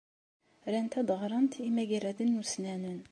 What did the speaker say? Rant ad ɣrent imagraden ussnanen.